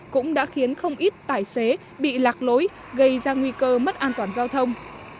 cũng đã khiến không ít tài xế bị lạc lối gây ra nguy cơ mất an toàn giao thông